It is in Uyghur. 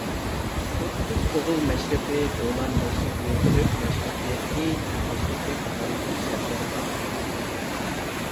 ئوتتۇز ئوغۇل مەشرىپى، دولان مەشرىپى، كۆك مەشرىپى، قېيىت مەشرىپى قاتارلىق مەشرەپلەر بار.